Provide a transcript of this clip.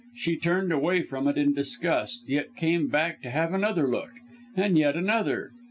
She turned away from it in disgust, yet came back to have another look and yet another.